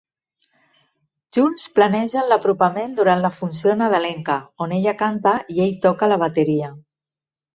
Junts planegen l'apropament durant la funció nadalenca, on ella canta i ell toca la bateria.